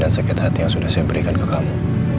dan sakit hati yang sudah saya berikan ke kamu